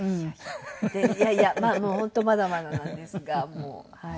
いやいやいやまあ本当まだまだなんですがもうはい。